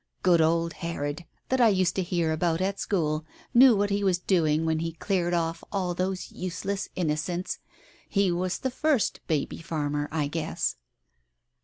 Good old Herod, that I used to hear about at school, knew what he was doing when he cleared off all those useless Innocents ! He was the first baby farmer, I guess."